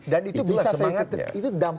dan itulah semangatnya